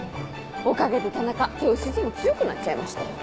おかげで田中手押し相撲強くなっちゃいましたよ。